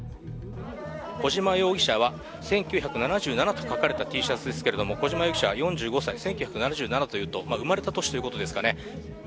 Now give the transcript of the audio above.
小島容疑者は、１９７７と書かれたＴシャツですけれども、小島容疑者４５歳、１９７７というと生まれた年ということですかね。